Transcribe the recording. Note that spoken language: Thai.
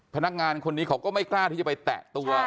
พนักงานคนนี้เขาก็ไม่กล้าที่จะไปแตะตัว